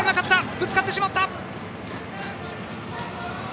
ぶつかってしまった。